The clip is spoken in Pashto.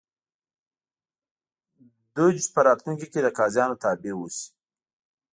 دوج په راتلونکي کې د قاضیانو تابع اوسي